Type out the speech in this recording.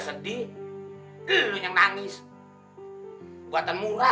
saya baru mua